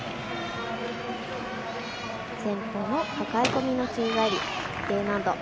前方の抱え込みの宙返り、Ｄ難度。